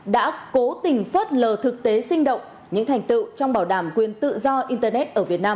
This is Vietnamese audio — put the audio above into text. đã cố tình phớt lờ thực tế sinh động những thành tựu trong bảo đảm quyền tự do internet ở việt nam